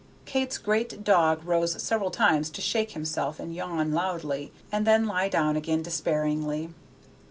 Kate's great dog rose several times to shake himself and yawn loudly, and then lie down again despairingly.